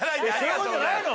そういうことじゃないの？